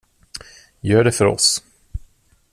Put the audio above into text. Gör det för oss.